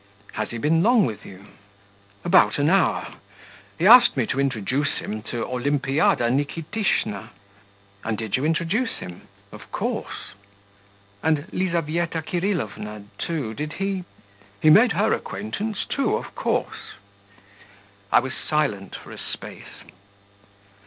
'Has he been long with you?' 'About an hour. He asked me to introduce him to Olimpiada Nikitishna.' 'And did you introduce him?' 'Of course.' 'And Lizaveta Kirillovna, too, did he ...' 'He made her acquaintance, too, of course.' I was silent for a space.